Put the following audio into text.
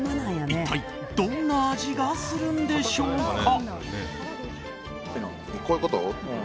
一体どんな味がするんでしょうか。